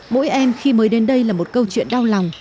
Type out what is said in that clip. mỗi em khi mới đến đây là một câu chuyện đau lòng